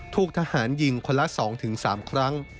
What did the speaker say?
ถูกทหารยิงคนละสองถึงสามครั้ง